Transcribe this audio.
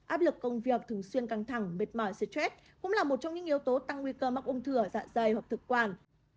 áp lực công việc thường xuyên căng thẳng mệt mỏi stress cũng là một trong những yếu tố tăng nguy cơ mắc ung thư ở dạ dày hoặc thực quản